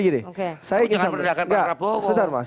oke saya ingin sampaikan enggak sebentar mas